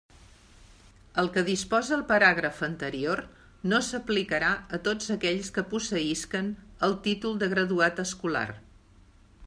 El que disposa el paràgraf anterior no s'aplicarà a tots aquells que posseïsquen el títol de Graduat escolar.